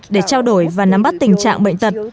để trao đổi và nắm bắt tình trạng bệnh tật